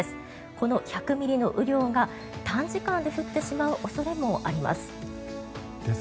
この１００ミリの雨量が短時間で降ってしまう恐れもあります。